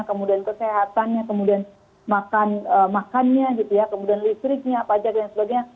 kemudian kesehatannya kemudian makannya kemudian listriknya pajaknya dan sebagainya